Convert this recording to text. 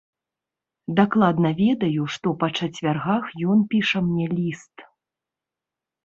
Дакладна ведаю, што па чацвяргах ён піша мне ліст.